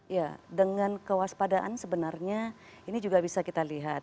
ya dengan kewaspadaan sebenarnya ini juga bisa kita lihat